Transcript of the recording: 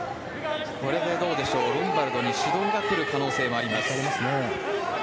ロンバルドに指導がくる可能性もあります。